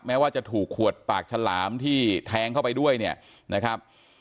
ว่าจะถูกขวดปากฉลามที่แทงเข้าไปด้วยเนี่ยนะครับ